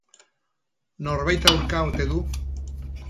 Norbait aurka ote du?